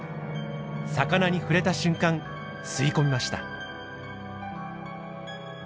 魚に触れた瞬間吸い込みました。